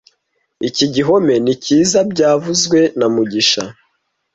Iki gihome ni cyiza byavuzwe na mugisha